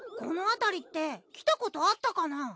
このあたりって来たことあったかな？